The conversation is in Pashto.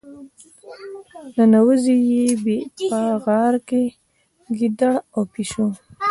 ننوزي یې په غار کې ګیدړ او پيشو.